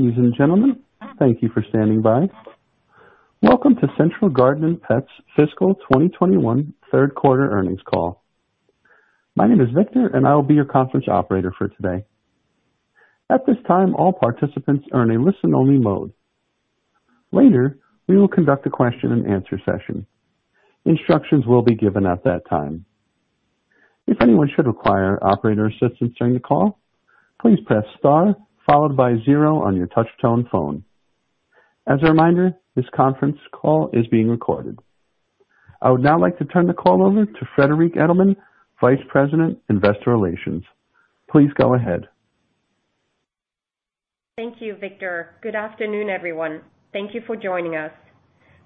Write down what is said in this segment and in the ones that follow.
Ladies and gentlemen, thank you for standing by. Welcome to Central Garden & Pet's Fiscal 2021 Third Quarter Earnings Call. My name is Victor, and I will be your conference operator for today. At this time, all participants are in a listen-only mode. Later, we will conduct a question-and-answer session. Instructions will be given at that time. If anyone should require operator assistance during the call, please press star followed by zero on your touch-tone phone. As a reminder, this conference call is being recorded. I would now like to turn the call over to Friederike Edelmann, Vice President, Investor Relations. Please go ahead. Thank you, Victor. Good afternoon, everyone. Thank you for joining us.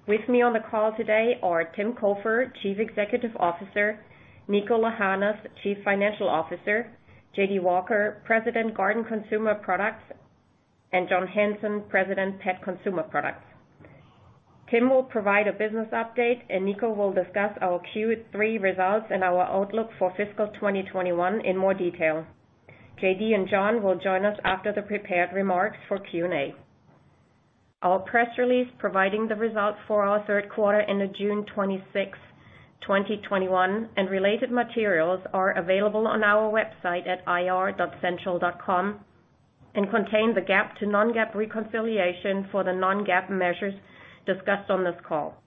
With me on the call today are Tim Cofer, Chief Executive Officer; Niko Lahanas, Chief Financial Officer; JD Walker, President, Garden Consumer Products; and John Hanson, President, Pet Consumer Products. Tim will provide a business update, and Niko will discuss our Q3 results and our outlook for fiscal 2021 in more detail. JD and John will join us after the prepared remarks for Q&A. Our press release providing the results for our third quarter ended June 26, 2021, and related materials are available on our website at ir.central.com and contain the GAAP to non-GAAP reconciliation for the non-GAAP measures discussed on this call.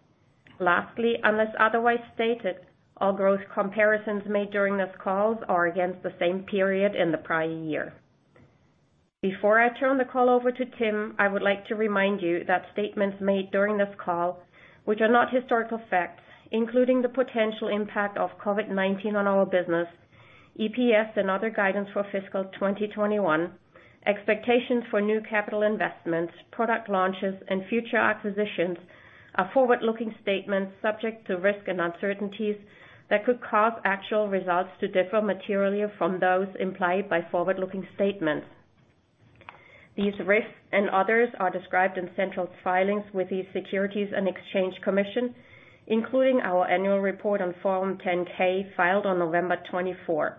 Lastly, unless otherwise stated, all growth comparisons made during this call are against the same period in the prior year. Before I turn the call over to Tim, I would like to remind you that statements made during this call, which are not historical facts, including the potential impact of COVID-19 on our business, EPS and other guidance for fiscal 2021, expectations for new capital investments, product launches, and future acquisitions, are forward-looking statements subject to risk and uncertainties that could cause actual results to differ materially from those implied by forward-looking statements. These risks and others are described in Central's filings with the Securities and Exchange Commission, including our annual report on Form 10-K filed on November 24.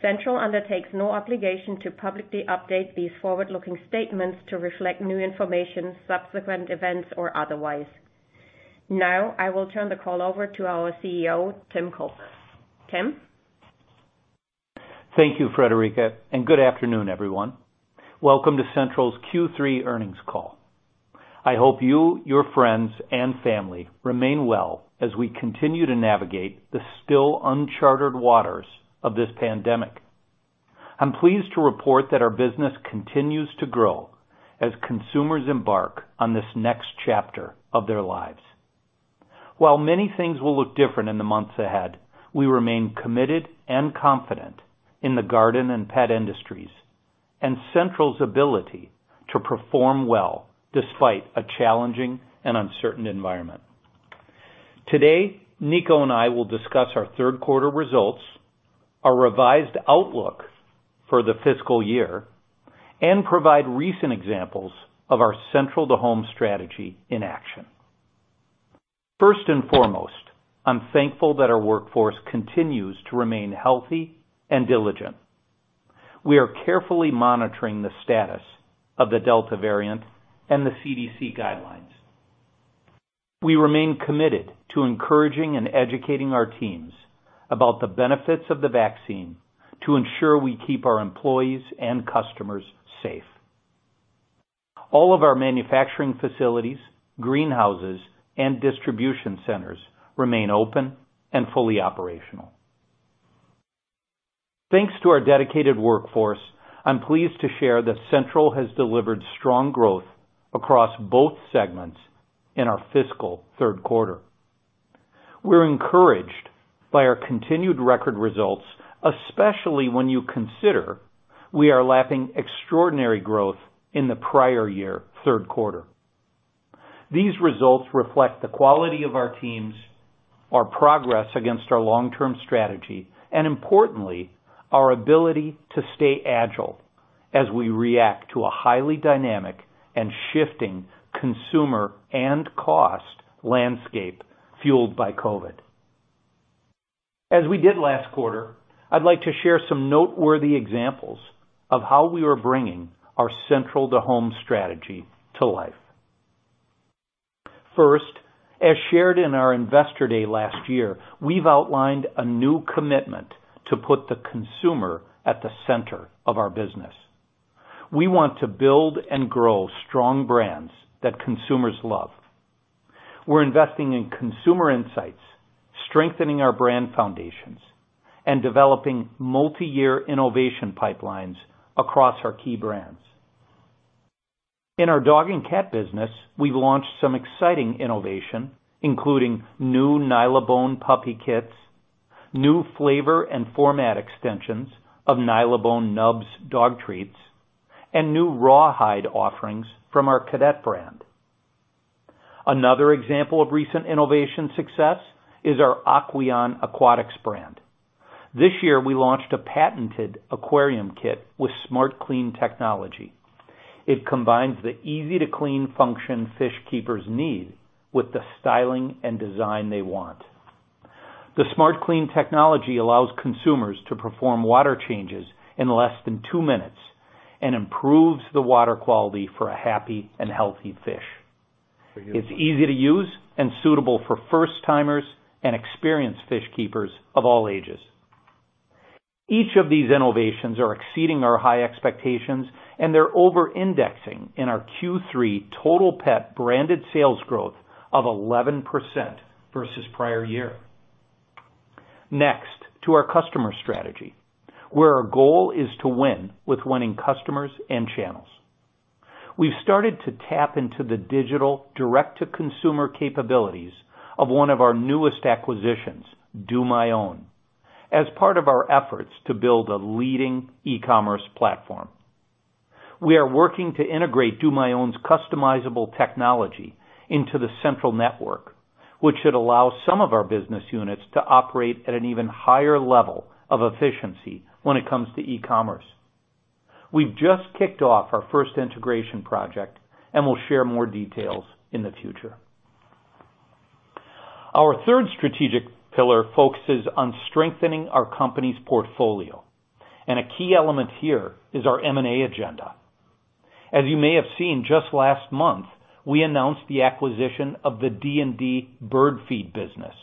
Central undertakes no obligation to publicly update these forward-looking statements to reflect new information, subsequent events, or otherwise. Now, I will turn the call over to our CEO, Tim Cofer. Tim? Thank you, Friederike, and good afternoon, everyone. Welcome to Central's Q3 earnings call. I hope you, your friends, and family remain well as we continue to navigate the still unchartered waters of this pandemic. I'm pleased to report that our business continues to grow as consumers embark on this next chapter of their lives. While many things will look different in the months ahead, we remain committed and confident in the garden and pet industries and Central's ability to perform well despite a challenging and uncertain environment. Today, Niko and I will discuss our third quarter results, our revised outlook for the fiscal year, and provide recent examples of our Central to Home strategy in action. First and foremost, I'm thankful that our workforce continues to remain healthy and diligent. We are carefully monitoring the status of the Delta variant and the CDC guidelines. We remain committed to encouraging and educating our teams about the benefits of the vaccine to ensure we keep our employees and customers safe. All of our manufacturing facilities, greenhouses, and distribution centers remain open and fully operational. Thanks to our dedicated workforce, I'm pleased to share that Central has delivered strong growth across both segments in our fiscal third quarter. We're encouraged by our continued record results, especially when you consider we are lapping extraordinary growth in the prior year third quarter. These results reflect the quality of our teams, our progress against our long-term strategy, and importantly, our ability to stay agile as we react to a highly dynamic and shifting consumer and cost landscape fueled by COVID. As we did last quarter, I'd like to share some noteworthy examples of how we are bringing our Central to Home strategy to life. First, as shared in our investor day last year, we've outlined a new commitment to put the consumer at the center of our business. We want to build and grow strong brands that consumers love. We're investing in consumer insights, strengthening our brand foundations, and developing multi-year innovation pipelines across our key brands. In our dog and cat business, we've launched some exciting innovation, including new Nylabone puppy kits, new flavor and format extensions of Nylabone Nubz dog treats, and new rawhide offerings from our Cadet brand. Another example of recent innovation success is our Aqueon aquatics brand. This year, we launched a patented aquarium kit with smart clean technology. It combines the easy-to-clean function fish keepers need with the styling and design they want. The smart clean technology allows consumers to perform water changes in less than two minutes and improves the water quality for a happy and healthy fish. It's easy to use and suitable for first-timers and experienced fish keepers of all ages. Each of these innovations are exceeding our high expectations, and they're over-indexing in our Q3 total pet branded sales growth of 11% versus prior year. Next, to our customer strategy, where our goal is to win with winning customers and channels. We've started to tap into the digital direct-to-consumer capabilities of one of our newest acquisitions, DoMyOwn, as part of our efforts to build a leading e-commerce platform. We are working to integrate DoMyOwn's customizable technology into the central network, which should allow some of our business units to operate at an even higher level of efficiency when it comes to e-commerce. We've just kicked off our first integration project and will share more details in the future. Our third strategic pillar focuses on strengthening our company's portfolio, and a key element here is our M&A agenda. As you may have seen, just last month, we announced the acquisition of the D&D bird feed business.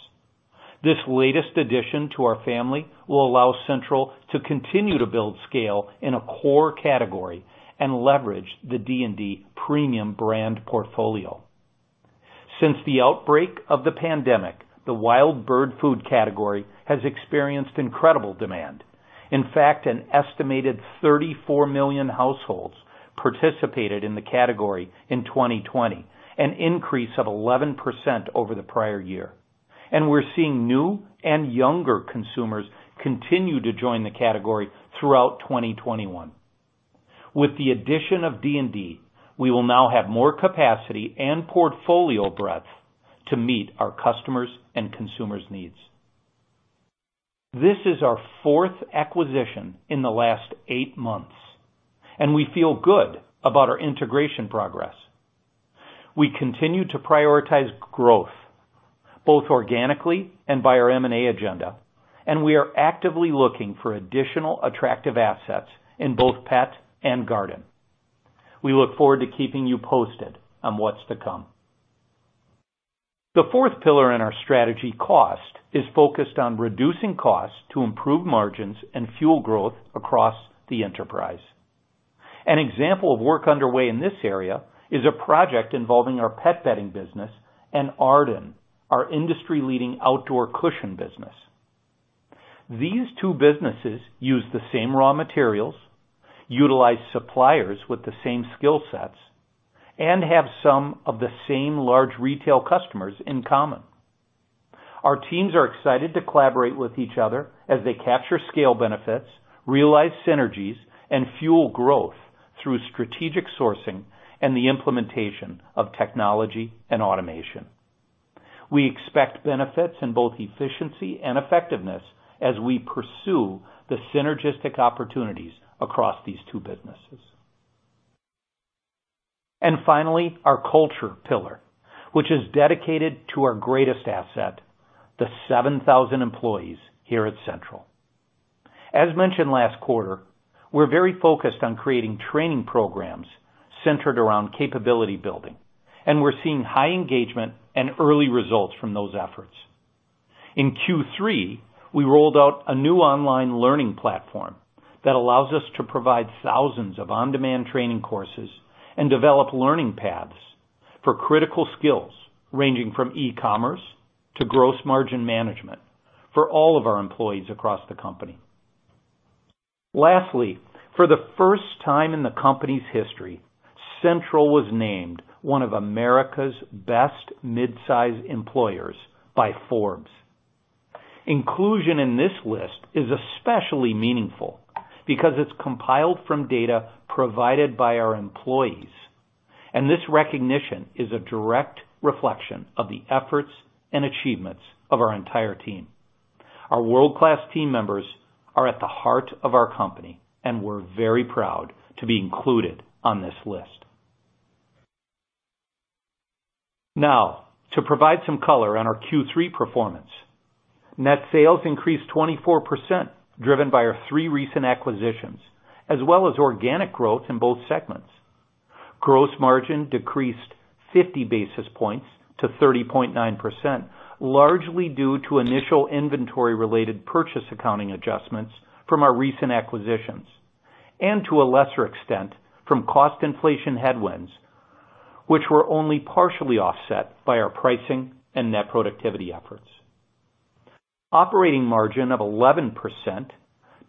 This latest addition to our family will allow Central to continue to build scale in a core category and leverage the D&D premium brand portfolio. Since the outbreak of the pandemic, the wild bird food category has experienced incredible demand. In fact, an estimated 34 million households participated in the category in 2020, an increase of 11% over the prior year. We are seeing new and younger consumers continue to join the category throughout 2021. With the addition of D&D, we will now have more capacity and portfolio breadth to meet our customers' and consumers' needs. This is our fourth acquisition in the last eight months, and we feel good about our integration progress. We continue to prioritize growth both organically and by our M&A agenda, and we are actively looking for additional attractive assets in both pet and garden. We look forward to keeping you posted on what's to come. The fourth pillar in our strategy, cost, is focused on reducing costs to improve margins and fuel growth across the enterprise. An example of work underway in this area is a project involving our pet bedding business and Arden, our industry-leading outdoor cushion business. These two businesses use the same raw materials, utilize suppliers with the same skill sets, and have some of the same large retail customers in common. Our teams are excited to collaborate with each other as they capture scale benefits, realize synergies, and fuel growth through strategic sourcing and the implementation of technology and automation. We expect benefits in both efficiency and effectiveness as we pursue the synergistic opportunities across these two businesses. And finally, our culture pillar, which is dedicated to our greatest asset, the 7,000 employees here at Central. As mentioned last quarter, we're very focused on creating training programs centered around capability building, and we're seeing high engagement and early results from those efforts. In Q3, we rolled out a new online learning platform that allows us to provide thousands of on-demand training courses and develop learning paths for critical skills ranging from e-commerce to gross margin management for all of our employees across the company. Lastly, for the first time in the company's history, Central was named one of America's best mid-size employers by Forbes. Inclusion in this list is especially meaningful because it's compiled from data provided by our employees, and this recognition is a direct reflection of the efforts and achievements of our entire team. Our world-class team members are at the heart of our company, and we're very proud to be included on this list. Now, to provide some color on our Q3 performance, net sales increased 24%, driven by our three recent acquisitions, as well as organic growth in both segments. Gross margin decreased 50 basis points to 30.9%, largely due to initial inventory-related purchase accounting adjustments from our recent acquisitions and to a lesser extent from cost inflation headwinds, which were only partially offset by our pricing and net productivity efforts. Operating margin of 11%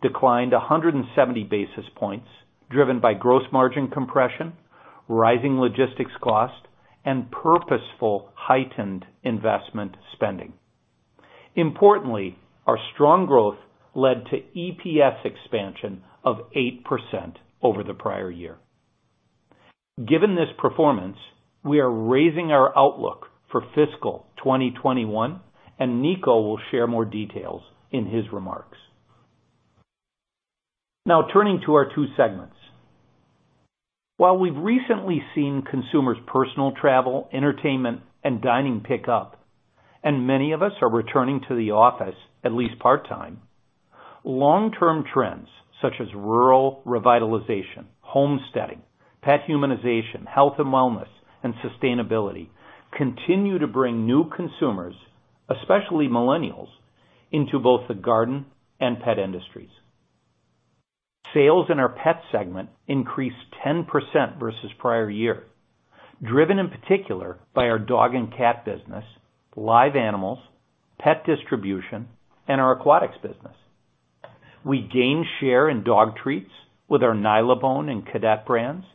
declined 170 basis points, driven by gross margin compression, rising logistics cost, and purposeful heightened investment spending. Importantly, our strong growth led to EPS expansion of 8% over the prior year. Given this performance, we are raising our outlook for fiscal 2021, and Niko will share more details in his remarks. Now, turning to our two segments. While we've recently seen consumers' personal travel, entertainment, and dining pick up, and many of us are returning to the office, at least part-time, long-term trends such as rural revitalization, homesteading, pet humanization, health and wellness, and sustainability continue to bring new consumers, especially millennials, into both the garden and pet industries. Sales in our pet segment increased 10% versus prior year, driven in particular by our dog and cat business, live animals, pet distribution, and our aquatics business. We gained share in dog treats with our Nylabone and Cadet brands,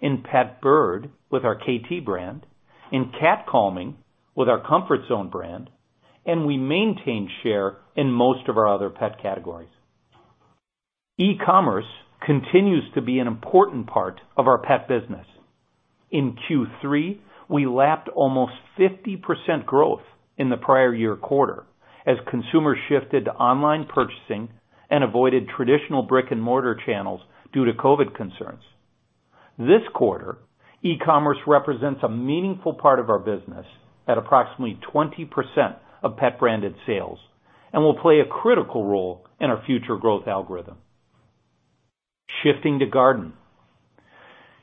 in pet bird with our Kaytee brand, in cat calming with our Comfort Zone brand, and we maintained share in most of our other pet categories. E-commerce continues to be an important part of our pet business. In Q3, we lapped almost 50% growth in the prior year quarter as consumers shifted to online purchasing and avoided traditional brick-and-mortar channels due to COVID concerns. This quarter, e-commerce represents a meaningful part of our business at approximately 20% of pet branded sales and will play a critical role in our future growth algorithm. Shifting to garden.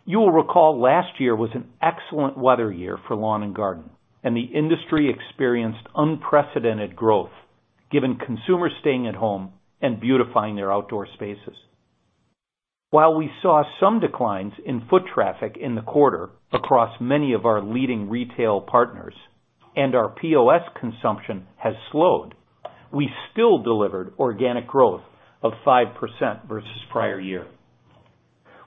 You will recall last year was an excellent weather year for lawn and garden, and the industry experienced unprecedented growth given consumers staying at home and beautifying their outdoor spaces. While we saw some declines in foot traffic in the quarter across many of our leading retail partners and our POS consumption has slowed, we still delivered organic growth of 5% versus prior year.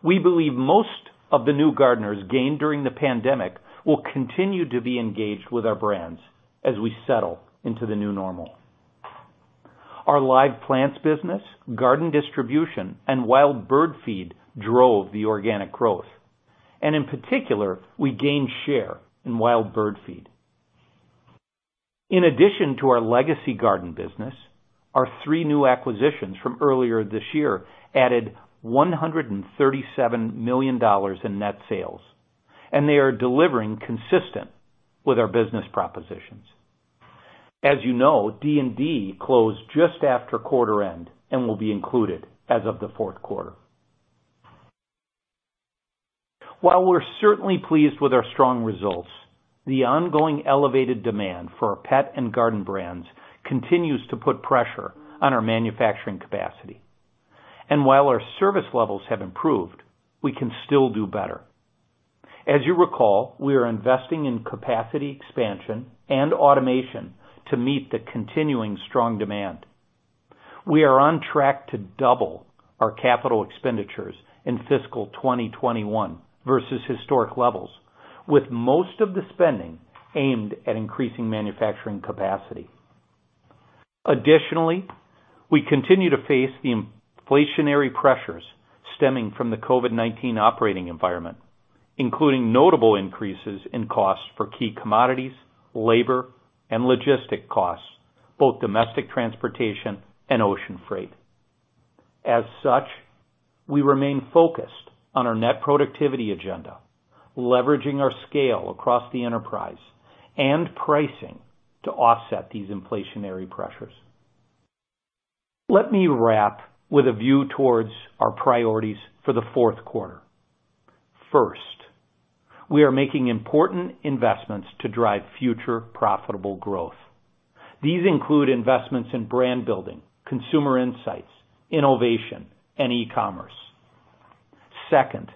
We believe most of the new gardeners gained during the pandemic will continue to be engaged with our brands as we settle into the new normal. Our live plants business, garden distribution, and wild bird feed drove the organic growth, and in particular, we gained share in wild bird feed. In addition to our legacy garden business, our three new acquisitions from earlier this year added $137 million in net sales, and they are delivering consistent with our business propositions. As you know, D&D closed just after quarter end and will be included as of the fourth quarter. While we're certainly pleased with our strong results, the ongoing elevated demand for our pet and garden brands continues to put pressure on our manufacturing capacity. While our service levels have improved, we can still do better. As you recall, we are investing in capacity expansion and automation to meet the continuing strong demand. We are on track to double our capital expenditures in fiscal 2021 versus historic levels, with most of the spending aimed at increasing manufacturing capacity. Additionally, we continue to face the inflationary pressures stemming from the COVID-19 operating environment, including notable increases in costs for key commodities, labor, and logistic costs, both domestic transportation and ocean freight. As such, we remain focused on our net productivity agenda, leveraging our scale across the enterprise and pricing to offset these inflationary pressures. Let me wrap with a view towards our priorities for the fourth quarter. First, we are making important investments to drive future profitable growth. These include investments in brand building, consumer insights, innovation, and e-commerce. Second,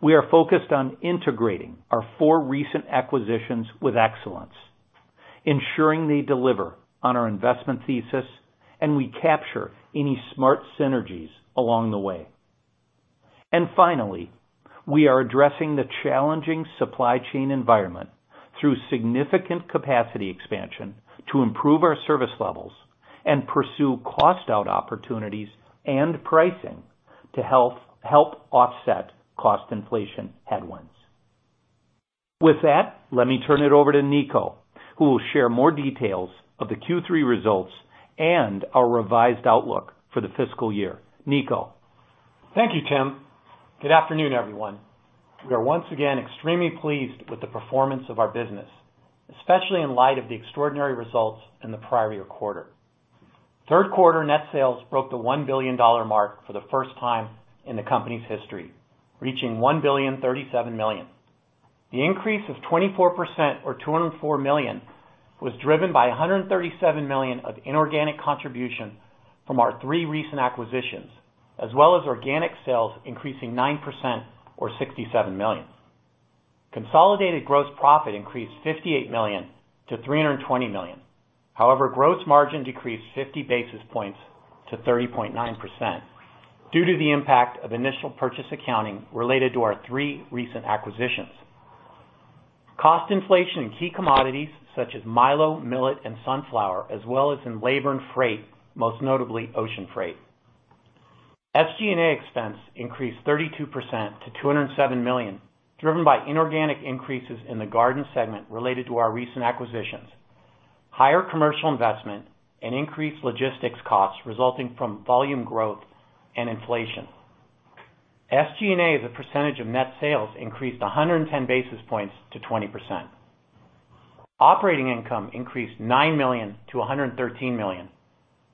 we are focused on integrating our four recent acquisitions with excellence, ensuring they deliver on our investment thesis and we capture any smart synergies along the way. Finally, we are addressing the challenging supply chain environment through significant capacity expansion to improve our service levels and pursue cost-out opportunities and pricing to help offset cost inflation headwinds. With that, let me turn it over to Niko, who will share more details of the Q3 results and our revised outlook for the fiscal year. Niko. Thank you, Tim. Good afternoon, everyone. We are once again extremely pleased with the performance of our business, especially in light of the extraordinary results in the prior year quarter. Third quarter net sales broke the $1 billion mark for the first time in the company's history, reaching $1.037 billion. The increase of 24% or $204 million was driven by $137 million of inorganic contribution from our three recent acquisitions, as well as organic sales increasing 9% or $67 million. Consolidated gross profit increased $58 million to $320 million. However, gross margin decreased 50 basis points to 30.9% due to the impact of initial purchase accounting related to our three recent acquisitions. Cost inflation in key commodities such as milo, millet, and sunflower, as well as in labor and freight, most notably ocean freight. SG&A expense increased 32% to $207 million, driven by inorganic increases in the garden segment related to our recent acquisitions, higher commercial investment, and increased logistics costs resulting from volume growth and inflation. SG&A's percentage of net sales increased 110 basis points to 20%. Operating income increased $9 million to $113 million,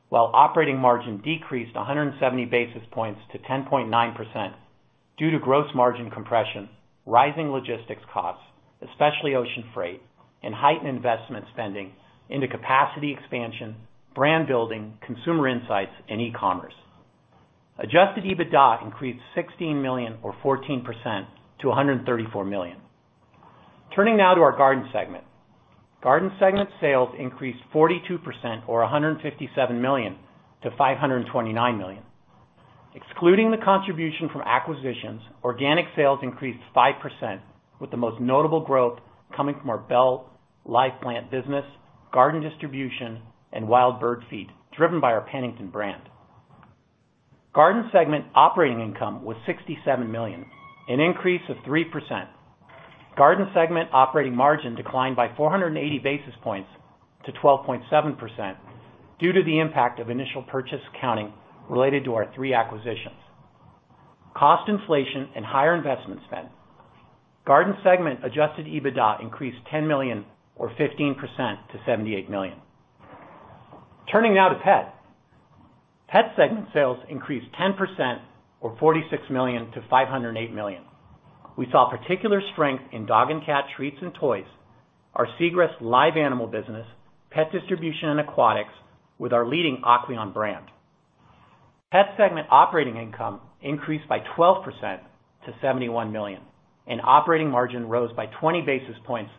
while operating margin decreased 170 basis points to 10.9% due to gross margin compression, rising logistics costs, especially ocean freight, and heightened investment spending into capacity expansion, brand building, consumer insights, and e-commerce. Adjusted EBITDA increased $16 million or 14% to $134 million. Turning now to our garden segment. Garden segment sales increased 42% or $157 million to $529 million. Excluding the contribution from acquisitions, organic sales increased 5%, with the most notable growth coming from our Bell, live plant business, garden distribution, and wild bird feed, driven by our Pennington brand. Garden segment operating income was $67 million, an increase of 3%. Garden segment operating margin declined by 480 basis points to 12.7% due to the impact of initial purchase accounting related to our three acquisitions, cost inflation, and higher investment spend. Garden segment adjusted EBITDA increased $10 million or 15% to $78 million. Turning now to pet. Pet segment sales increased 10% or $46 million to $508 million. We saw particular strength in dog and cat treats and toys, our Segrest live animal business, pet distribution and aquatics with our leading Aqueon brand. Pet segment operating income increased by 12% to $71 million, and operating margin rose by 20 basis points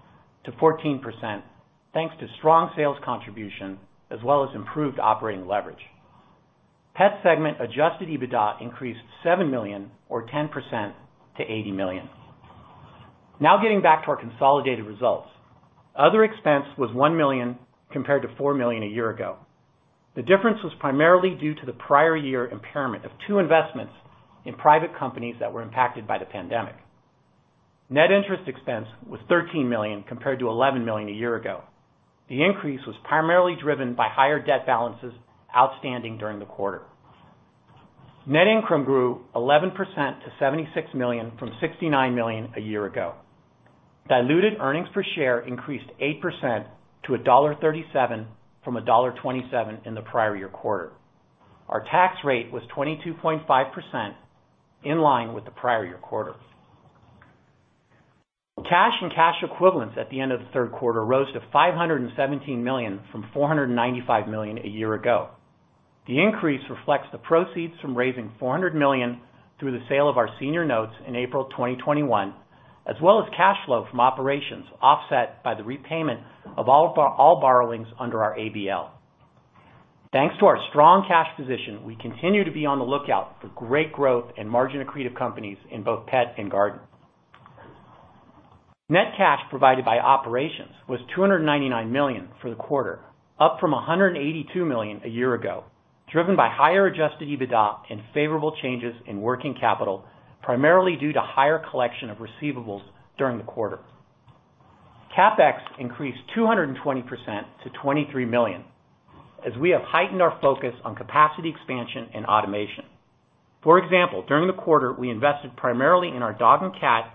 to 14%, thanks to strong sales contribution as well as improved operating leverage. Pet segment adjusted EBITDA increased $7 million or 10% to $80 million. Now getting back to our consolidated results. Other expense was $1 million compared to $4 million a year ago. The difference was primarily due to the prior year impairment of two investments in private companies that were impacted by the pandemic. Net interest expense was $13 million compared to $11 million a year ago. The increase was primarily driven by higher debt balances outstanding during the quarter. Net income grew 11% to $76 million from $69 million a year ago. Diluted earnings per share increased 8% to $1.37 from $1.27 in the prior year quarter. Our tax rate was 22.5% in line with the prior year quarter. Cash and cash equivalents at the end of the third quarter rose to $517 million from $495 million a year ago. The increase reflects the proceeds from raising $400 million through the sale of our senior notes in April 2021, as well as cash flow from operations offset by the repayment of all borrowings under our ABL. Thanks to our strong cash position, we continue to be on the lookout for great growth and margin accretive companies in both pet and garden. Net cash provided by operations was $299 million for the quarter, up from $182 million a year ago, driven by higher adjusted EBITDA and favorable changes in working capital, primarily due to higher collection of receivables during the quarter. CapEx increased 220% to $23 million as we have heightened our focus on capacity expansion and automation. For example, during the quarter, we invested primarily in our dog and cat,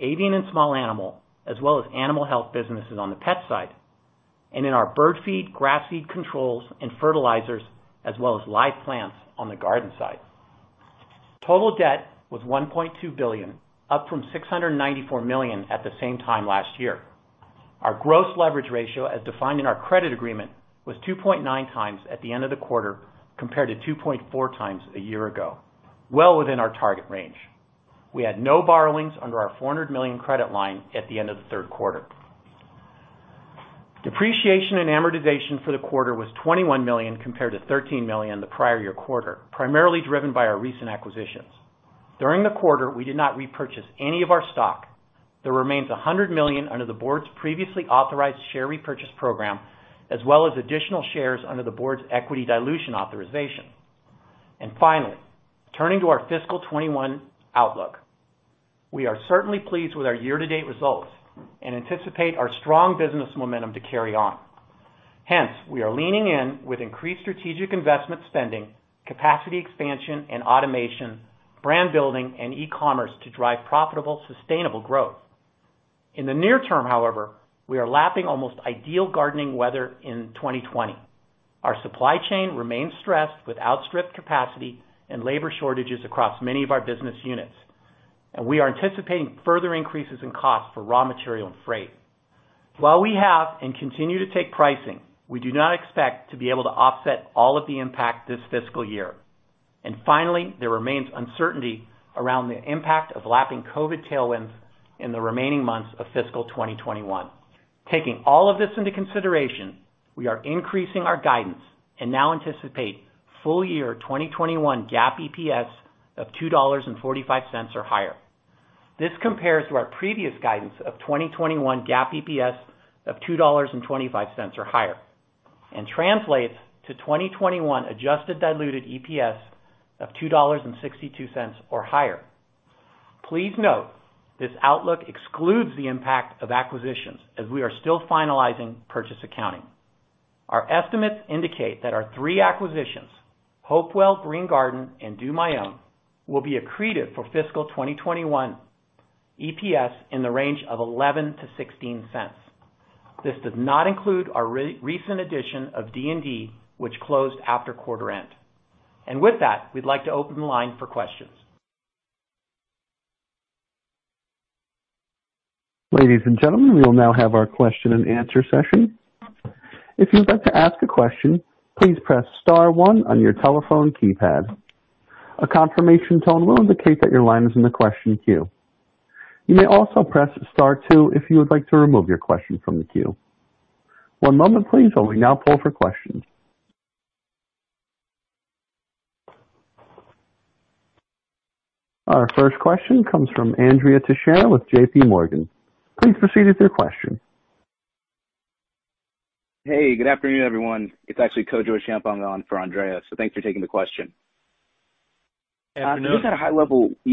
avian and small animal, as well as animal health businesses on the pet side, and in our bird feed, grass seed controls, and fertilizers, as well as live plants on the garden side. Total debt was $1.2 billion, up from $694 million at the same time last year. Our gross leverage ratio, as defined in our credit agreement, was 2.9x at the end of the quarter compared to 2.4x a year ago, well within our target range. We had no borrowings under our $400 million credit line at the end of the third quarter. Depreciation and amortization for the quarter was $21 million compared to $13 million the prior year quarter, primarily driven by our recent acquisitions. During the quarter, we did not repurchase any of our stock. There remains $100 million under the board's previously authorized share repurchase program, as well as additional shares under the board's equity dilution authorization. Finally, turning to our fiscal 2021 outlook, we are certainly pleased with our year-to-date results and anticipate our strong business momentum to carry on. Hence, we are leaning in with increased strategic investment spending, capacity expansion and automation, brand building, and e-commerce to drive profitable, sustainable growth. In the near term, however, we are lapping almost ideal gardening weather in 2020. Our supply chain remains stressed with outstripped capacity and labor shortages across many of our business units, and we are anticipating further increases in costs for raw material and freight. While we have and continue to take pricing, we do not expect to be able to offset all of the impact this fiscal year. Finally, there remains uncertainty around the impact of lapping COVID tailwinds in the remaining months of fiscal 2021. Taking all of this into consideration, we are increasing our guidance and now anticipate full year 2021 GAAP EPS of $2.45 or higher. This compares to our previous guidance of 2021 GAAP EPS of $2.25 or higher and translates to 2021 adjusted diluted EPS of $2.62 or higher. Please note this outlook excludes the impact of acquisitions as we are still finalizing purchase accounting. Our estimates indicate that our three acquisitions, Hopewell, Green Garden, and DoMyOwn, will be accretive for fiscal 2021 EPS in the range of $0.11-$0.16. This does not include our recent addition of D&D, which closed after quarter end. With that, we'd like to open the line for questions. Ladies and gentlemen, we will now have our question-and-answer session. If you would like to ask a question, please press star one on your telephone keypad. A confirmation tone will indicate that your line is in the question queue. You may also press star two if you would like to remove your question from the queue. One moment, please, while we now pull for questions. Our first question comes from Andrea Teixeira with JPMorgan. Please proceed with your question. Hey, good afternoon, everyone. It's actually Kojo Achiampong on for Andrea, so thanks for taking the question. Afternoon.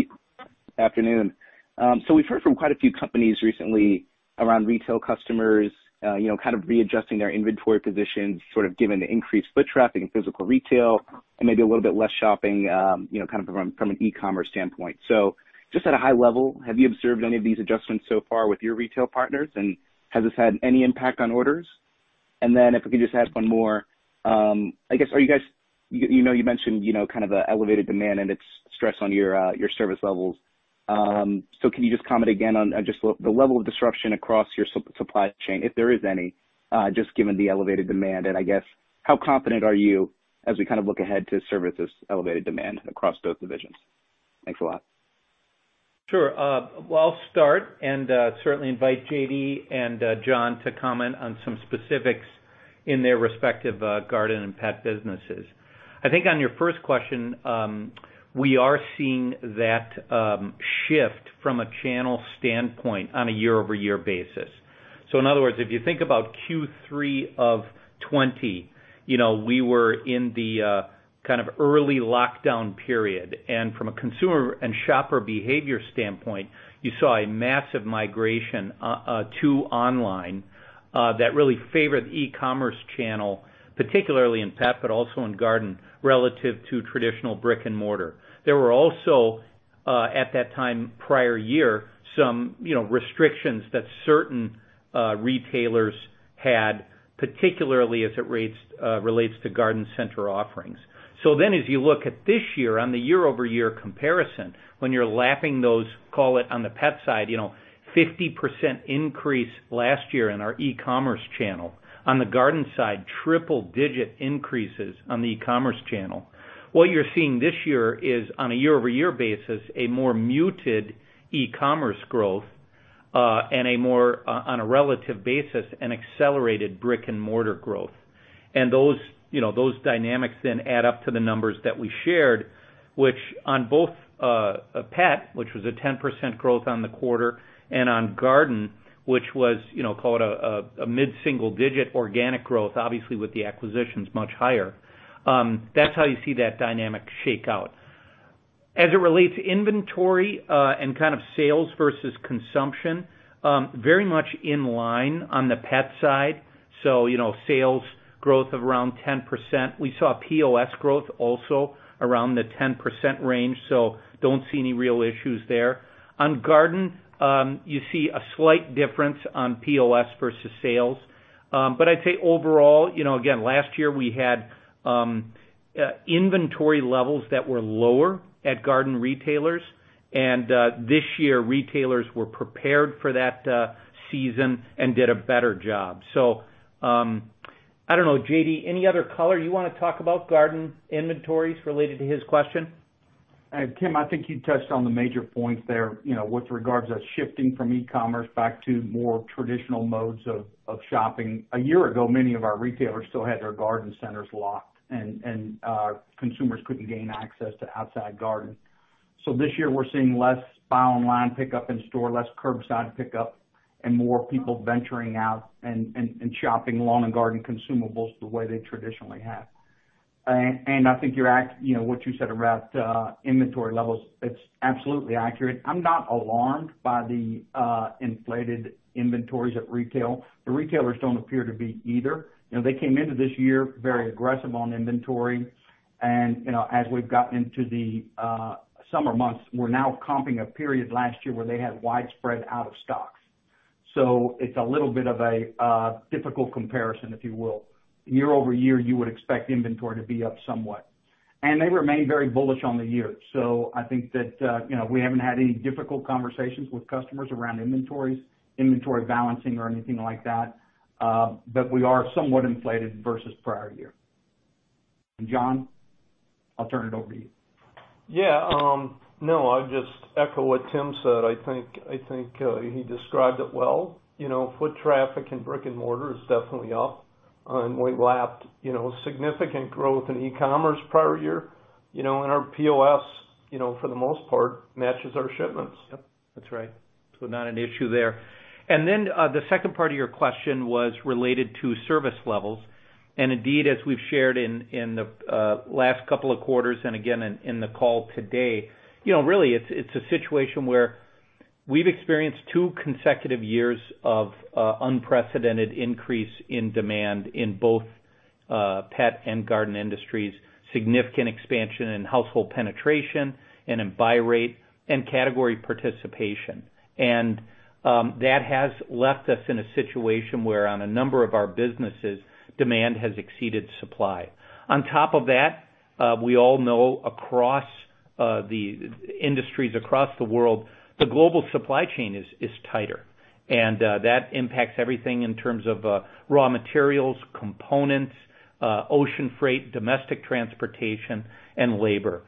Just at a high level. Afternoon. We have heard from quite a few companies recently around retail customers, kind of readjusting their inventory positions, sort of given the increased foot traffic and physical retail, and maybe a little bit less shopping, kind of from an e-commerce standpoint. Just at a high level, have you observed any of these adjustments so far with your retail partners, and has this had any impact on orders? If we can just add one more, I guess, you mentioned kind of an elevated demand and its stress on your service levels. Can you just comment again on just the level of disruption across your supply chain, if there is any, just given the elevated demand? I guess, how confident are you as we kind of look ahead to service this elevated demand across both divisions? Thanks a lot. Sure. I'll start and certainly invite JD and John to comment on some specifics in their respective garden and pet businesses. I think on your first question, we are seeing that shift from a channel standpoint on a year-over-year basis. In other words, if you think about Q3 of 2020, we were in the kind of early lockdown period. From a consumer and shopper behavior standpoint, you saw a massive migration to online that really favored the e-commerce channel, particularly in pet but also in garden relative to traditional brick and mortar. There were also, at that time prior year, some restrictions that certain retailers had, particularly as it relates to garden center offerings. As you look at this year on the year-over-year comparison, when you're lapping those, call it on the pet side, 50% increase last year in our e-commerce channel. On the garden side, triple-digit increases on the e-commerce channel. What you're seeing this year is, on a year-over-year basis, a more muted e-commerce growth and, on a relative basis, an accelerated brick and mortar growth. Those dynamics then add up to the numbers that we shared, which on both pet, which was a 10% growth on the quarter, and on garden, which was, call it a mid-single-digit organic growth, obviously with the acquisitions much higher. That's how you see that dynamic shakeout. As it relates to inventory and kind of sales versus consumption, very much in line on the pet side. Sales growth of around 10%. We saw POS growth also around the 10% range, so don't see any real issues there. On garden, you see a slight difference on POS versus sales. I'd say overall, again, last year we had inventory levels that were lower at garden retailers, and this year retailers were prepared for that season and did a better job. I don't know, JD, any other color you want to talk about garden inventories related to his question? Tim, I think you touched on the major points there with regards to shifting from e-commerce back to more traditional modes of shopping. A year ago, many of our retailers still had their garden centers locked, and consumers could not gain access to outside gardens. This year we are seeing less buy online, pick up in store, less curbside pick up, and more people venturing out and shopping lawn and garden consumables the way they traditionally have. What you said about inventory levels is absolutely accurate. I am not alarmed by the inflated inventories at retail. The retailers do not appear to be either. They came into this year very aggressive on inventory. As we have gotten into the summer months, we are now comping a period last year where they had widespread out of stock. It is a little bit of a difficult comparison, if you will. Year over year, you would expect inventory to be up somewhat. They remain very bullish on the year. I think that we haven't had any difficult conversations with customers around inventories, inventory balancing, or anything like that. We are somewhat inflated versus prior year. John, I'll turn it over to you. Yeah. No, I'll just echo what Tim said. I think he described it well. Foot traffic in brick and mortar is definitely up. We lapped significant growth in e-commerce prior year. Our POS, for the most part, matches our shipments. Yep. That's right. Not an issue there. The second part of your question was related to service levels. Indeed, as we've shared in the last couple of quarters and again in the call today, really it's a situation where we've experienced two consecutive years of unprecedented increase in demand in both pet and garden industries, significant expansion in household penetration and in buy rate and category participation. That has left us in a situation where on a number of our businesses, demand has exceeded supply. On top of that, we all know across the industries across the world, the global supply chain is tighter. That impacts everything in terms of raw materials, components, ocean freight, domestic transportation, and labor.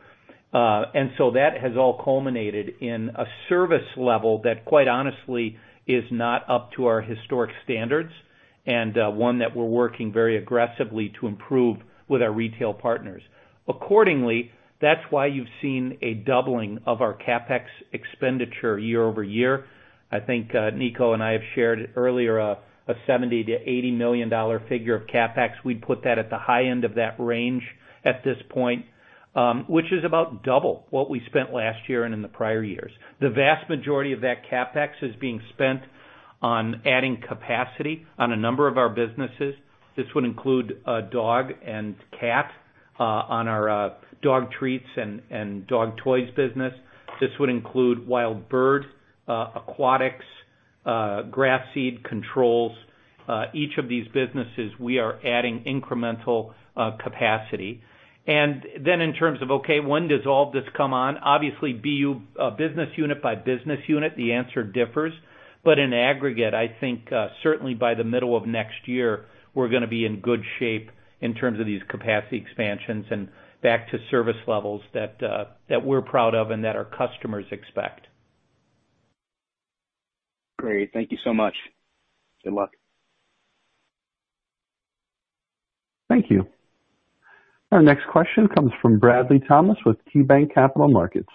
That has all culminated in a service level that, quite honestly, is not up to our historic standards and one that we're working very aggressively to improve with our retail partners. Accordingly, that's why you've seen a doubling of our CapEx expenditure year-over-year. I think Niko and I have shared earlier a $70 million-$80 million figure of CapEx. We'd put that at the high end of that range at this point, which is about double what we spent last year and in the prior years. The vast majority of that CapEx is being spent on adding capacity on a number of our businesses. This would include dog and cat on our dog treats and dog toys business. This would include wild bird, aquatics, grass seed controls. Each of these businesses, we are adding incremental capacity. In terms of, okay, when does all of this come on? Obviously, business unit by business unit, the answer differs. In aggregate, I think certainly by the middle of next year, we're going to be in good shape in terms of these capacity expansions and back to service levels that we're proud of and that our customers expect. Great. Thank you so much. Good luck. Thank you. Our next question comes from Bradley Thomas with KeyBanc Capital Markets.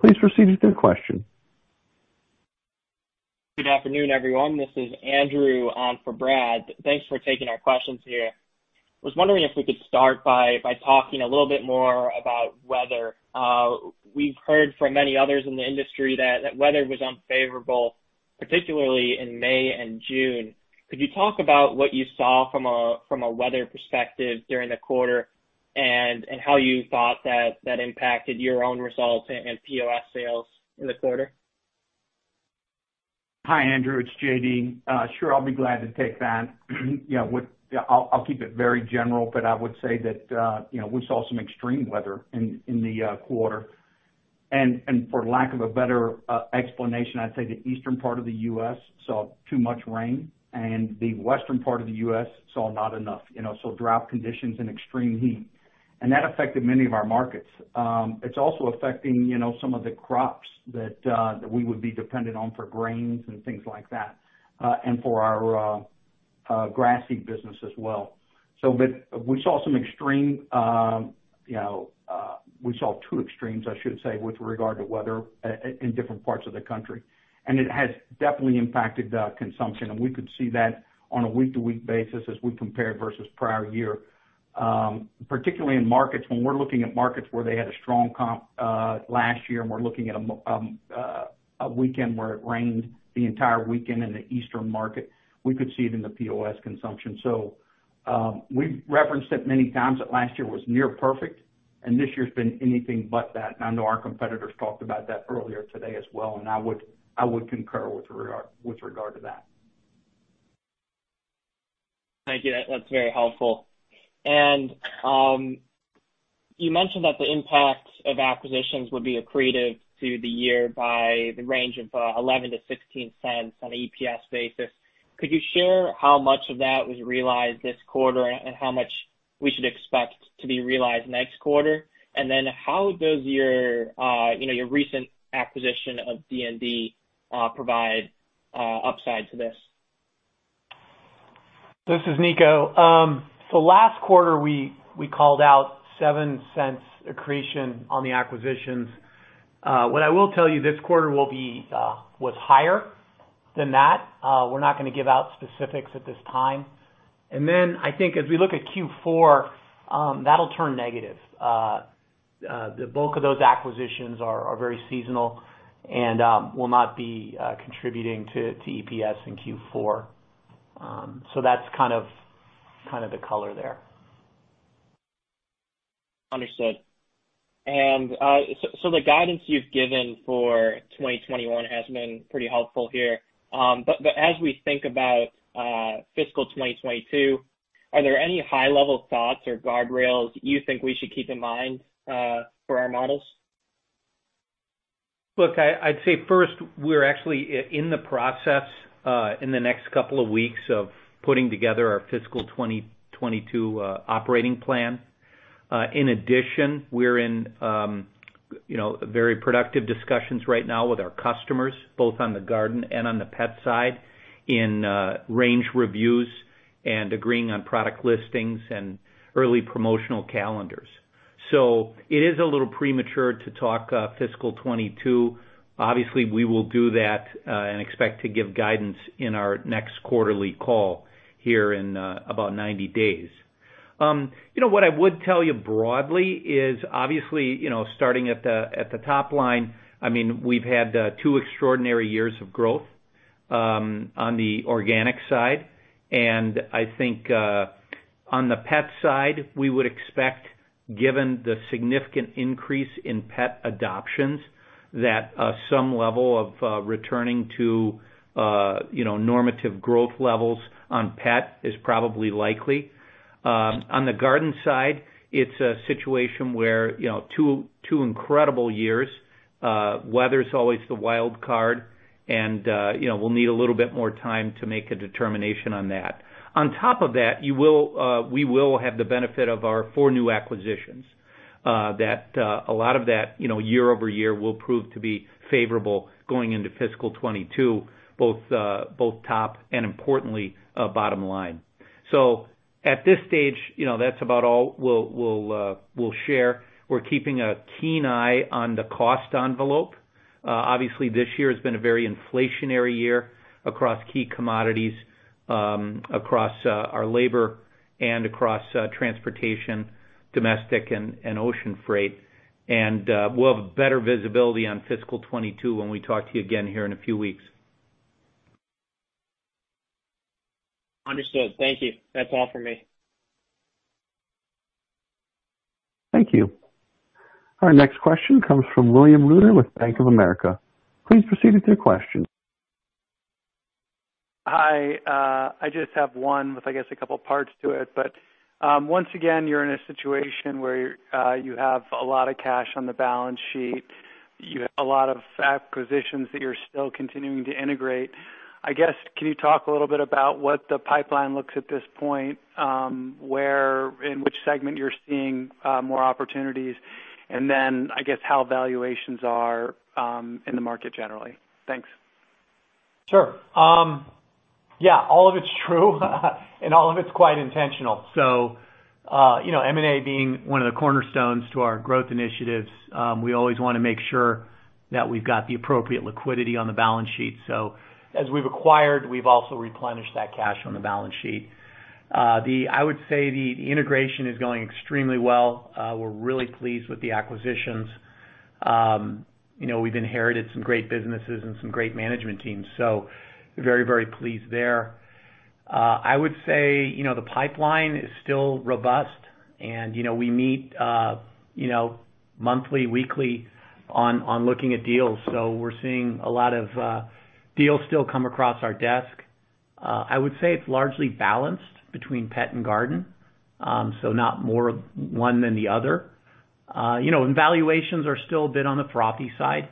Please proceed with your question. Good afternoon, everyone. This is Andrew on for Brad. Thanks for taking our questions here. I was wondering if we could start by talking a little bit more about weather. We've heard from many others in the industry that weather was unfavorable, particularly in May and June. Could you talk about what you saw from a weather perspective during the quarter and how you thought that impacted your own results and POS sales in the quarter? Hi, Andrew. It's JD Sure, I'll be glad to take that. I'll keep it very general, but I would say that we saw some extreme weather in the quarter. For lack of a better explanation, I'd say the eastern part of the U.S. saw too much rain, and the western part of the U.S. saw not enough. Drought conditions and extreme heat affected many of our markets. It's also affecting some of the crops that we would be dependent on for grains and things like that, and for our grass seed business as well. We saw two extremes, I should say, with regard to weather in different parts of the country. It has definitely impacted consumption. We could see that on a week-to-week basis as we compared versus prior year. Particularly in markets when we're looking at markets where they had a strong comp last year, and we're looking at a weekend where it rained the entire weekend in the eastern market, we could see it in the POS consumption. We have referenced it many times that last year was near perfect, and this year has been anything but that. I know our competitors talked about that earlier today as well, and I would concur with regard to that. Thank you. That's very helpful. You mentioned that the impact of acquisitions would be accretive to the year by the range of $0.11-$0.16 on an EPS basis. Could you share how much of that was realized this quarter and how much we should expect to be realized next quarter? How does your recent acquisition of D&D provide upside to this? This is Niko. Last quarter, we called out $0.07 accretion on the acquisitions. What I will tell you, this quarter will be higher than that. We're not going to give out specifics at this time. I think as we look at Q4, that'll turn negative. The bulk of those acquisitions are very seasonal and will not be contributing to EPS in Q4. That's kind of the color there. Understood. The guidance you've given for 2021 has been pretty helpful here. As we think about fiscal 2022, are there any high-level thoughts or guardrails you think we should keep in mind for our models? Look, I'd say first, we're actually in the process in the next couple of weeks of putting together our fiscal 2022 operating plan. In addition, we're in very productive discussions right now with our customers, both on the garden and on the pet side, in range reviews and agreeing on product listings and early promotional calendars. It is a little premature to talk fiscal 2022. Obviously, we will do that and expect to give guidance in our next quarterly call here in about 90 days. What I would tell you broadly is, obviously, starting at the top line, I mean, we've had two extraordinary years of growth on the organic side. I think on the pet side, we would expect, given the significant increase in pet adoptions, that some level of returning to normative growth levels on pet is probably likely. On the garden side, it's a situation where two incredible years. Weather's always the wild card, and we'll need a little bit more time to make a determination on that. On top of that, we will have the benefit of our four new acquisitions. A lot of that, year-over-year, will prove to be favorable going into fiscal 2022, both top and, importantly, bottom line. At this stage, that's about all we'll share. We're keeping a keen eye on the cost envelope. Obviously, this year has been a very inflationary year across key commodities, across our labor, and across transportation, domestic and ocean freight. We'll have better visibility on fiscal 2022 when we talk to you again here in a few weeks. Understood. Thank you. That's all for me. Thank you. Our next question comes from William Reuter with Bank of America. Please proceed with your question. Hi. I just have one with, I guess, a couple of parts to it. Once again, you're in a situation where you have a lot of cash on the balance sheet. You have a lot of acquisitions that you're still continuing to integrate. I guess, can you talk a little bit about what the pipeline looks at this point, where and which segment you're seeing more opportunities, and then, I guess, how valuations are in the market generally? Thanks. Sure. Yeah. All of it's true, and all of it's quite intentional. M&A being one of the cornerstones to our growth initiatives, we always want to make sure that we've got the appropriate liquidity on the balance sheet. As we've acquired, we've also replenished that cash on the balance sheet. I would say the integration is going extremely well. We're really pleased with the acquisitions. We've inherited some great businesses and some great management teams. Very, very pleased there. I would say the pipeline is still robust, and we meet monthly, weekly on looking at deals. We're seeing a lot of deals still come across our desk. I would say it's largely balanced between pet and garden, so not more one than the other. Valuations are still a bit on the frothy side.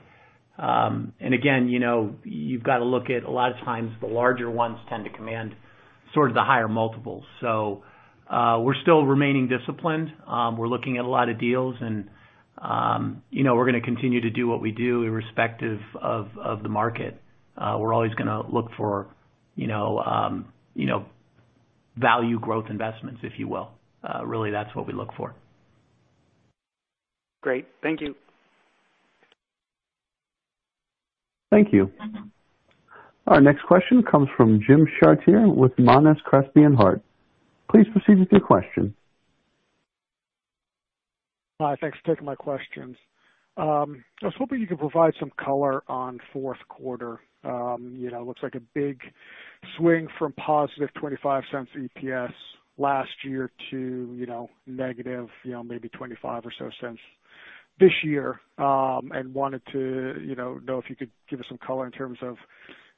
You have got to look at a lot of times, the larger ones tend to command sort of the higher multiples. We are still remaining disciplined. We are looking at a lot of deals, and we are going to continue to do what we do irrespective of the market. We are always going to look for value growth investments, if you will. Really, that is what we look for. Great. Thank you. Thank you. Our next question comes from Jim Chartier with Monness, Crespi, Hardt. Please proceed with your question. Hi. Thanks for taking my questions. I was hoping you could provide some color on fourth quarter. It looks like a big swing from positive $0.25 EPS last year to negative, maybe $0.25 or so this year. I wanted to know if you could give us some color in terms of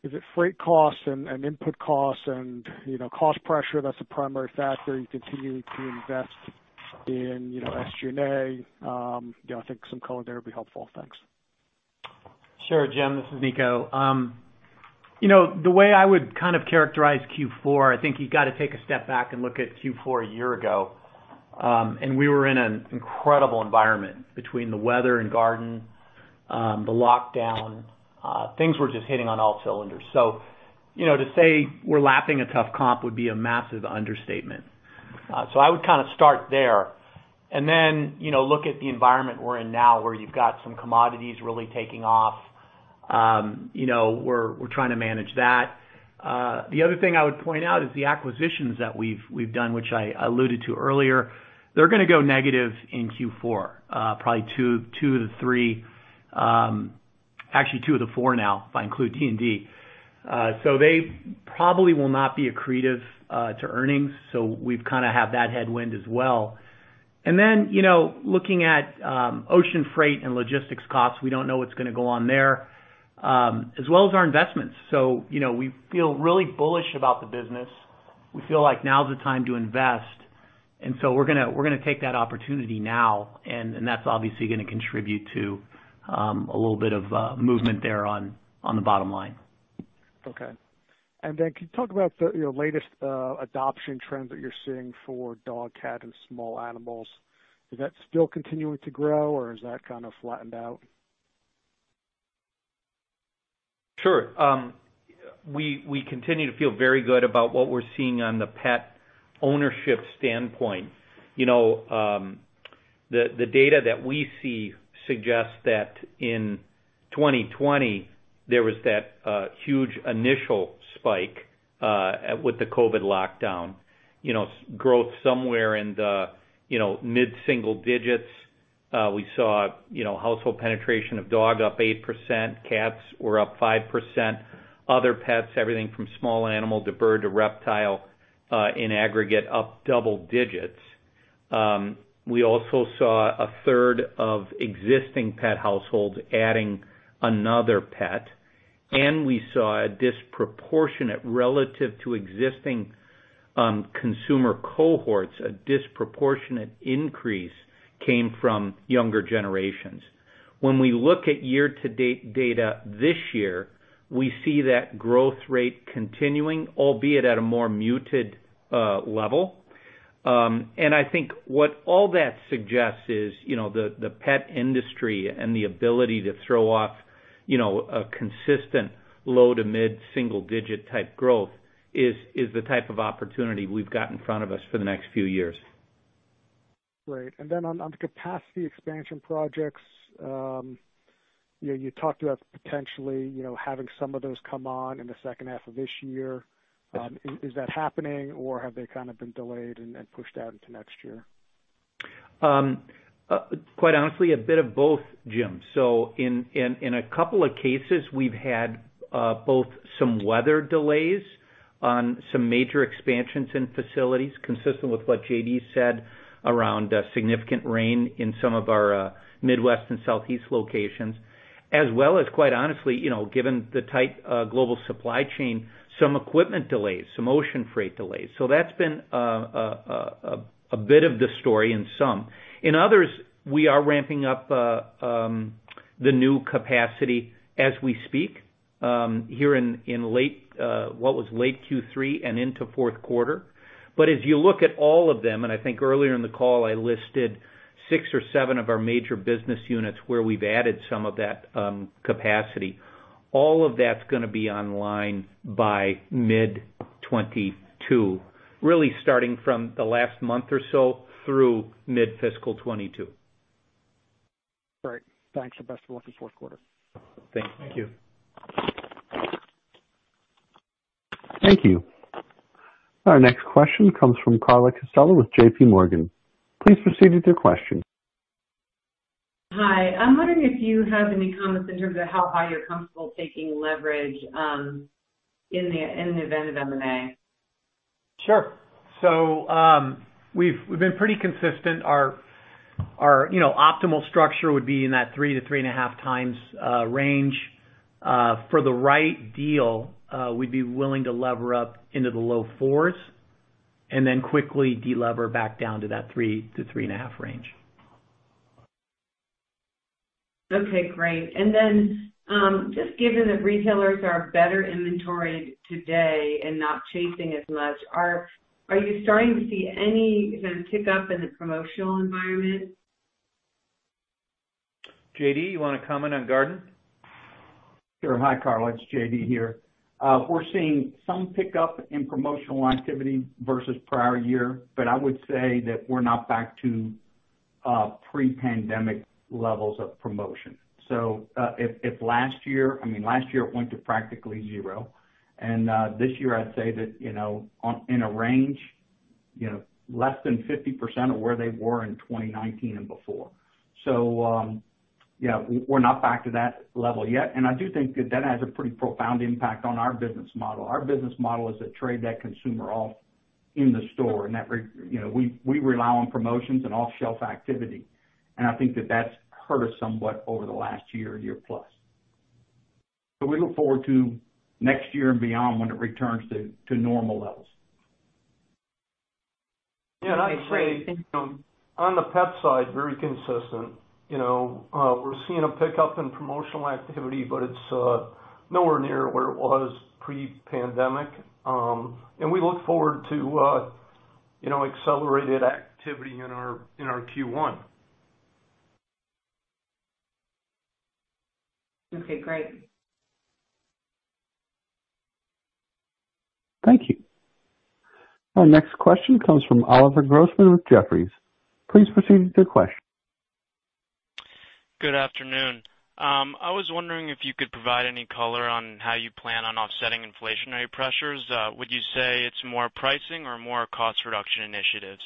is it freight costs and input costs and cost pressure? That's a primary factor. You continue to invest in SG&A. I think some color there would be helpful. Thanks. Sure. Jim, this is Niko. The way I would kind of characterize Q4, I think you have got to take a step back and look at Q4 a year ago. We were in an incredible environment between the weather and garden, the lockdown. Things were just hitting on all cylinders. To say we are lapping a tough comp would be a massive understatement. I would kind of start there and then look at the environment we are in now where you have got some commodities really taking off. We are trying to manage that. The other thing I would point out is the acquisitions that we have done, which I alluded to earlier. They are going to go negative in Q4, probably two of the three actually, two of the four now, if I include D&D. They probably will not be accretive to earnings. We have kind of had that headwind as well. Looking at ocean freight and logistics costs, we do not know what is going to go on there, as well as our investments. We feel really bullish about the business. We feel like now is the time to invest. We are going to take that opportunity now, and that is obviously going to contribute to a little bit of movement there on the bottom line. Okay. Can you talk about the latest adoption trend that you're seeing for dog, cat, and small animals? Is that still continuing to grow, or has that kind of flattened out? Sure. We continue to feel very good about what we're seeing on the pet ownership standpoint. The data that we see suggests that in 2020, there was that huge initial spike with the COVID lockdown. Growth somewhere in the mid-single digits. We saw household penetration of dog up 8%. Cats were up 5%. Other pets, everything from small animal to bird to reptile in aggregate up double digits. We also saw a third of existing pet households adding another pet. We saw a disproportionate, relative to existing consumer cohorts, a disproportionate increase came from younger generations. When we look at year-to-date data this year, we see that growth rate continuing, albeit at a more muted level. I think what all that suggests is the pet industry and the ability to throw off a consistent low to mid-single-digit type growth is the type of opportunity we've got in front of us for the next few years. Great. On the capacity expansion projects, you talked about potentially having some of those come on in the second half of this year. Is that happening, or have they kind of been delayed and pushed out into next year? Quite honestly, a bit of both, Jim. In a couple of cases, we've had both some weather delays on some major expansions in facilities, consistent with what JD said around significant rain in some of our Midwest and Southeast locations, as well as, quite honestly, given the tight global supply chain, some equipment delays, some ocean freight delays. That's been a bit of the story in some. In others, we are ramping up the new capacity as we speak here in what was late Q3 and into fourth quarter. As you look at all of them, and I think earlier in the call, I listed six or seven of our major business units where we've added some of that capacity. All of that's going to be online by mid-2022, really starting from the last month or so through mid-fiscal 2022. Great. Thanks. Best of luck in fourth quarter. Thank you. Thank you. Our next question comes from Carla Casella with JPMorgan. Please proceed with your question. Hi. I'm wondering if you have any comments in terms of how high you're comfortable taking leverage in the event of M&A. Sure. We have been pretty consistent. Our optimal structure would be in that 3x-3.5x range. For the right deal, we would be willing to lever up into the low fours and then quickly de-lever back down to that 3x-3.5x range. Okay. Great. Just given that retailers are better inventoried today and not chasing as much, are you starting to see any kind of tick up in the promotional environment? JD, you want to comment on garden? Sure. Hi, Carla. It's JD here. We're seeing some pickup in promotional activity versus prior year, but I would say that we're not back to pre-pandemic levels of promotion. If last year, I mean, last year it went to practically zero. This year, I'd say that in a range, less than 50% of where they were in 2019 and before. We're not back to that level yet. I do think that that has a pretty profound impact on our business model. Our business model is to trade that consumer off in the store. We rely on promotions and off-shelf activity. I think that that's hurt us somewhat over the last year, year plus. We look forward to next year and beyond when it returns to normal levels. That's great. On the pet side, very consistent. We're seeing a pickup in promotional activity, but it's nowhere near where it was pre-pandemic. We look forward to accelerated activity in our Q1. Okay. Great. Thank you. Our next question comes from Oliver Grossman with Jefferies. Please proceed with your question. Good afternoon. I was wondering if you could provide any color on how you plan on offsetting inflationary pressures. Would you say it's more pricing or more cost reduction initiatives?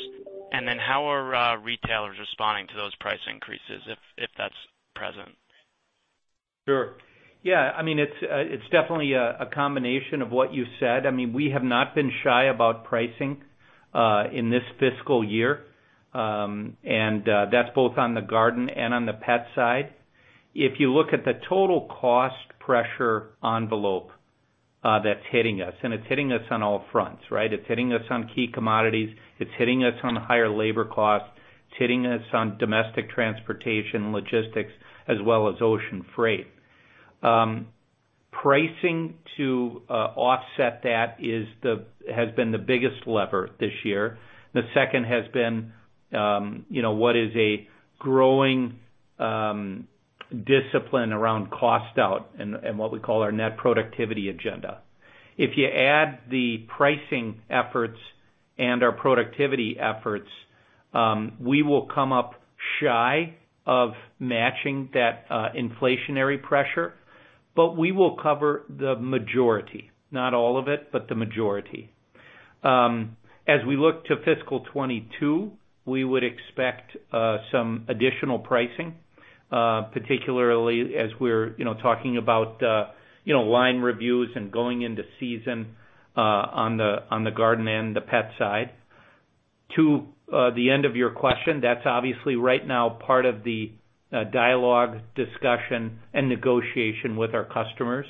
How are retailers responding to those price increases if that's present? Sure. Yeah. I mean, it's definitely a combination of what you said. I mean, we have not been shy about pricing in this fiscal year. That's both on the garden and on the pet side. If you look at the total cost pressure envelope that's hitting us, and it's hitting us on all fronts, right? It's hitting us on key commodities. It's hitting us on higher labor costs. It's hitting us on domestic transportation, logistics, as well as ocean freight. Pricing to offset that has been the biggest lever this year. The second has been what is a growing discipline around cost out and what we call our net productivity agenda. If you add the pricing efforts and our productivity efforts, we will come up shy of matching that inflationary pressure, but we will cover the majority. Not all of it, but the majority. As we look to fiscal 2022, we would expect some additional pricing, particularly as we're talking about line reviews and going into season on the garden and the pet side. To the end of your question, that's obviously right now part of the dialogue, discussion, and negotiation with our customers.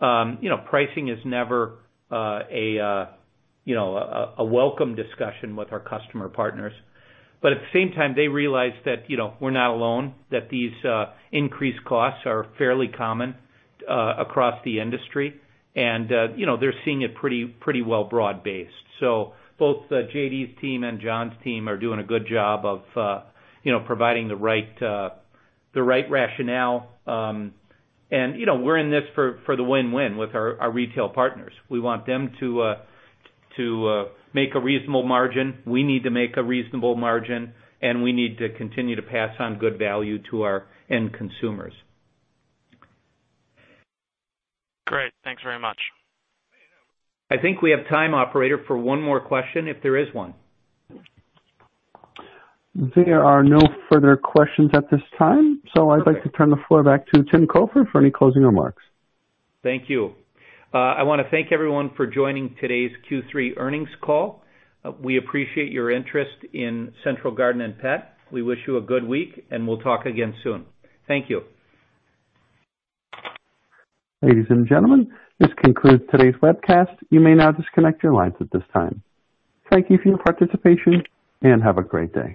Pricing is never a welcome discussion with our customer partners. At the same time, they realize that we're not alone, that these increased costs are fairly common across the industry, and they're seeing it pretty well broad-based. Both JD's team and John's team are doing a good job of providing the right rationale. We are in this for the win-win with our retail partners. We want them to make a reasonable margin. We need to make a reasonable margin, and we need to continue to pass on good value to our end consumers. Great. Thanks very much. I think we have time, Operator, for one more question if there is one. There are no further questions at this time. I would like to turn the floor back to Tim Cofer for any closing remarks. Thank you. I want to thank everyone for joining today's Q3 earnings call. We appreciate your interest in Central Garden & Pet. We wish you a good week, and we'll talk again soon. Thank you. Ladies and gentlemen, this concludes today's webcast. You may now disconnect your lines at this time. Thank you for your participation and have a great day.